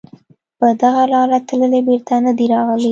په دغه لاره تللي بېرته نه دي راغلي